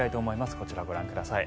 こちらをご覧ください。